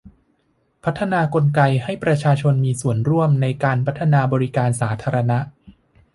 พัฒนากลไกให้ประชาชนมีส่วนร่วมในการพัฒนาบริการสาธารณะ